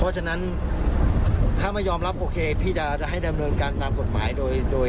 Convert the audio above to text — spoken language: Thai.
เพราะฉะนั้นถ้าไม่ยอมรับโอเคพี่จะให้ดำเนินการตามกฎหมายโดย